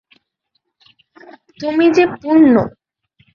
তুমি যে– পূর্ণ।